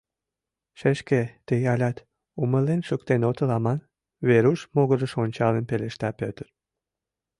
— Шешке, тый алят умылен шуктен отыл аман, — Веруш могырыш ончалын пелешта Петр.